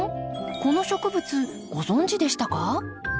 この植物ご存じでしたか？